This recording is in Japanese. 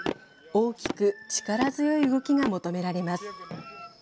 大きく力強い動きが求められます。